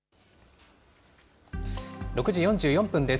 ６時４４分です。